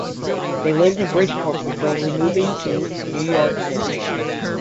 They lived in Bridgeport before removing to New York City.